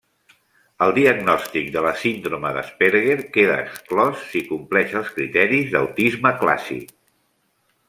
El diagnòstic de la síndrome d'Asperger queda exclòs si compleix els criteris d'autisme clàssic.